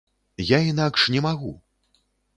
Я інакш не магу!